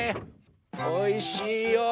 おいしいよ。